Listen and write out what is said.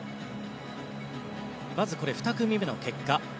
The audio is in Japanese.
まず、２組目の結果です。